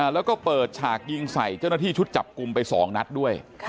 แล้วก็เปิดฉากยิงใส่เจ้าหน้าที่ชุดจับกลุ่มไป๒นัดด้วย